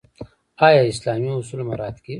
آیا اسلامي اصول مراعات کیږي؟